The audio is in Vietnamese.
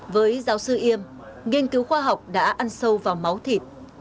với giáo sư yêm nghiên cứu khoa học đã ăn sâu vào máu thịt